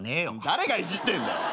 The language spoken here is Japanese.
誰がいじってんだよ。